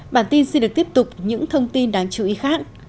bản tin sẽ được tiếp tục những thông tin đáng chú ý khác